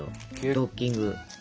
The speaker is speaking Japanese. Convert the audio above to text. ドッキング。